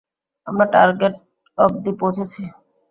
আমরা টার্গেট অব্ধি পৌঁছেছি।